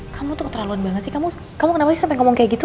kamu tuh keterlaluan banget sih kamu kenapa sih sampai ngomong kayak gitu